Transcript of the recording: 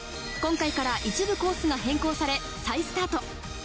今回から一部コースが変更され、再スタート。